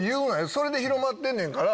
それで広まってんねんから。